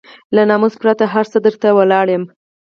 له ناموسه پرته هر څه ته درته ولاړ يم.